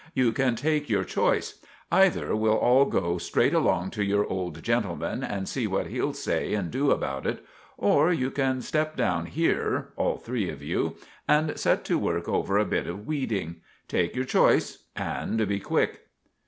You can take your choice. Either we'll all go straight along to your old gentleman, and see what he'll say and do about it, or you can step down here—all three of you—and set to work over a bit of weeding. Take your choice and be quick."